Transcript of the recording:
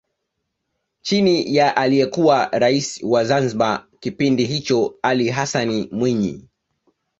Chini ya aliyekuwa Rais wa Zanzibar kipindi hicho Ali Hassani Mwinyi